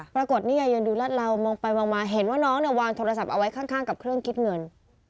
ปรากฏนี่ยายยังดูรัดเรามองไปมองมาเห็นว่าน้องเนี่ยวางโทรศัพท์เอาไว้ข้างกับเครื่องคิดเงิน